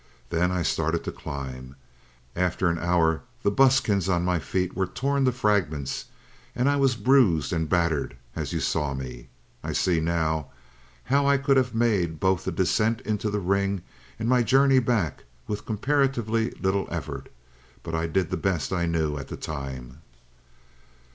Then I started to climb. After an hour the buskins on my feet were torn to fragments, and I was bruised and battered as you saw me. I see, now, how I could have made both the descent into the ring, and my journey back with comparatively little effort, but I did the best I knew at the time.